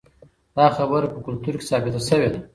دا خبره په کلتور کې ثابته شوې ده.